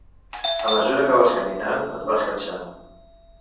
A mesura que vas caminant et vas cansant.